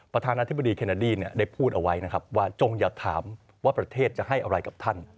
ประธานาธิบดีเคเนอดี้ได้พูดเอาไว้นะครับว่าจงอย่าถามว่าประเทศจะให้อะไรกับท่าน